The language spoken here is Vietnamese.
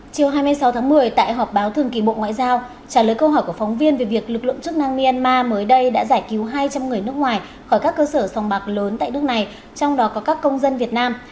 chiều hai mươi sáu tháng một mươi tại họp báo thường kỳ bộ ngoại giao trả lời câu hỏi của phóng viên về việc lực lượng chức năng myanmar mới đây đã giải cứu hai trăm linh người nước ngoài khỏi các cơ sở sòng bạc lớn tại nước này trong đó có các công dân việt nam